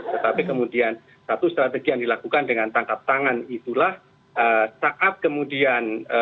tetapi kemudian satu strategi yang dilakukan dengan tangkap tangan itulah saat kemudian